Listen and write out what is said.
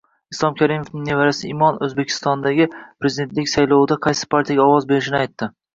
Islom Karimovning nevarasi Imon O‘zbekistondagi prezidentlik saylovida qaysi partiyaga ovoz berishini aytdi